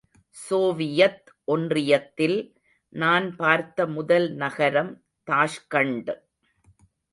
Soviet ஒன்றியத்தில் நான் பார்த்த முதல் நகரம் தாஷ்கண்ட்.